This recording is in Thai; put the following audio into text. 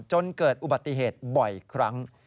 จนเกิดอุบัติเหตุบ่อยครั้ง